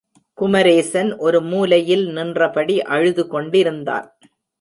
குமரேசன் ஒரு மூலையில் நின்றபடி அழுது கொண்டிருந்தான்.